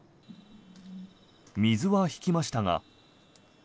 水は引きましたが。